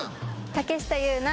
竹下優名